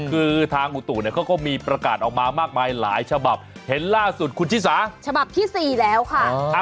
คือทางอุตุเนี่ยเขาก็มีประกาศออกมามากมายหลายฉบับเห็นล่าสุดคุณชิสาฉบับที่๔แล้วค่ะ